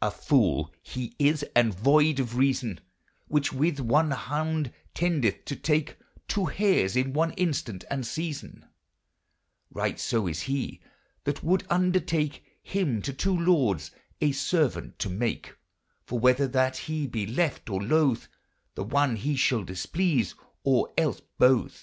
A fole he is and voyde of reason Whiche with one kounde tendyth to take Two harys in one instant and season ; Rigktso is he that wolde undertake Hym to two lordes a servaunt to make; For whether that he be lefe or lothe, The one he shall displease, or els bothe.